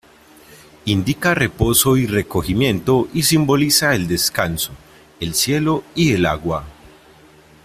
Indica reposo y recogimiento y simboliza el descanso, el cielo y el agua.